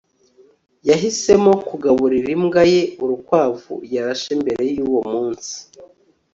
yahisemo kugaburira imbwa ye urukwavu yarashe mbere yuwo munsi